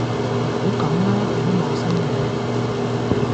唔好咁啦，佢都冇心嘅